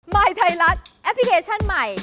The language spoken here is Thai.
ยไทยรัฐแอปพลิเคชันใหม่